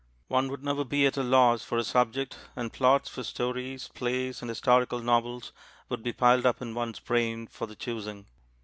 One would never be at a loss for a subject, and plots for stories, plays, and historical novels would be piled up in one's brain for the choosing.